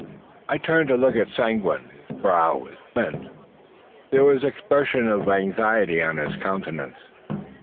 I turned to look at Seguin. His brow was bent. There was the expression of anxiety on his countenance.